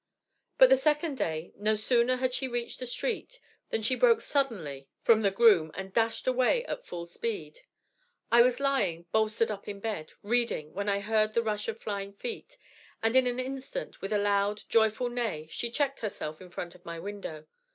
But the second day, no sooner had she reached the street, than she broke suddenly from the groom and dashed away at full speed. I was lying, bolstered up in bed, reading, when I heard the rush of flying feet, and in an instant, with a loud, joyful neigh, she checked herself in front of my window.